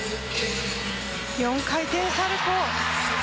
４回転サルコウ。